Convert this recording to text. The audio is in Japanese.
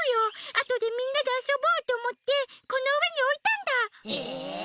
あとでみんなであそぼうとおもってこのうえにおいたんだ！え！？